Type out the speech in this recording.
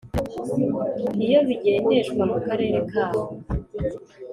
iyo bigendeshwa mu karere kabo